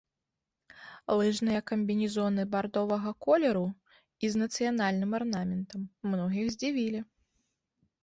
Лыжныя камбінезоны бардовага колеру і з нацыянальным арнаментам многіх здзівілі.